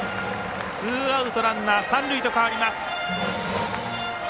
ツーアウトランナー、三塁と変わります。